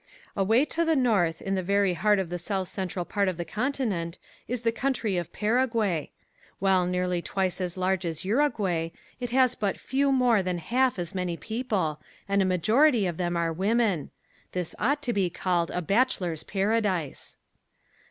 Away to the north in the very heart of the south central part of the continent is the country of Paraguay. While nearly twice as large as Uruguay it has but few more than half as many people and a majority of them are women. This ought to be called a bachelor's paradise.